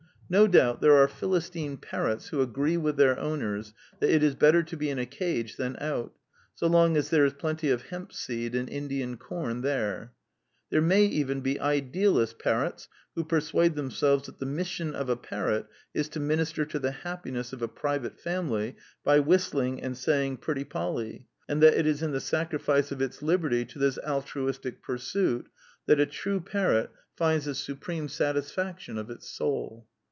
No doubt there are Philistine parrots who agree with their owners that it is better to be in a cage than out, so long as there is plenty of hempseed and Indian corn there. There may even be idealist parrots who persuade themselves that the mission of a parrot is to minister to the happiness of a private family by whistling and saying Pretty Polly, and that it is in the sacrifice of its liberty to this altruistic pur suit that a true parrot finds the supreme satis 46 The Quintessence of Ibsenism faction of its soul.